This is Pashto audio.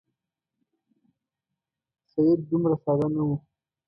سید دومره ساده نه وو.